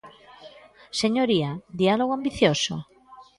Señoría, ¿diálogo ambicioso?